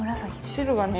汁がね